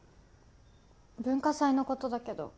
文化祭のことだけど。